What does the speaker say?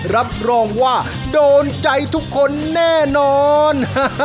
รับรองว่าโดนใจทุกคนแน่นอน